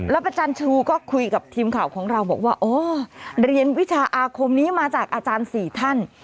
อาจารย์ชูก็คุยกับทีมข่าวของเราบอกว่าอ๋อเรียนวิชาอาคมนี้มาจากอาจารย์๔ท่าน